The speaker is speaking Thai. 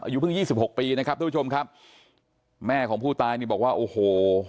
อายุเพิ่งยี่สิบหกปีนะครับทุกผู้ชมครับแม่ของผู้ตายนี่บอกว่าโอ้โห